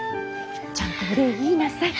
ちゃんとお礼言いなさい。